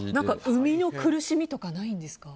生みの苦しみとかないんですか？